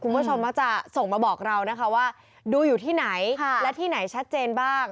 คุณผู้ชมมักจะส่งมาบอกเรานะคะว่าดูอยู่ที่ไหนและที่ไหนชัดเจนบ้าง